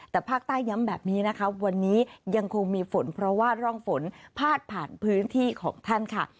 แต่ภาคใต้ย้ำแบบนี้นะคะวันนี้ยังคงมีฝนเพราะว่าร่องฝนพาดผ่านพื้นที่ของท่านค่ะ